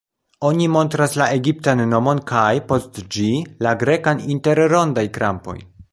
Oni montras la egiptan nomon, kaj, post ĝi, la grekan inter rondaj-krampoj.